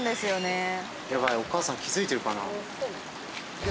やばい、お母さん、気付いてるかな。